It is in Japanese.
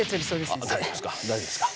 大丈夫ですか？